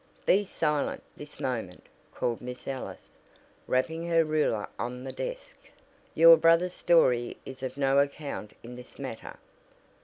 "Be silent this moment!" called Miss Ellis, rapping her ruler on the desk. "Your brother's story is of no account in this matter."